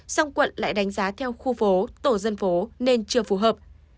song quận lại đánh giá theo khu phố tổ dân phố nên chưa phù hợp